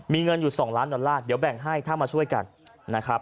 มีเงินอยู่๒ล้านดอลลาร์เดี๋ยวแบ่งให้ถ้ามาช่วยกันนะครับ